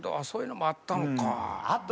そういうのもあったのか。